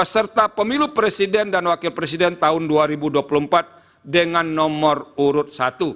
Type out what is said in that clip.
serta pemilu presiden dan wakil presiden tahun dua ribu dua puluh empat dengan nomor urut satu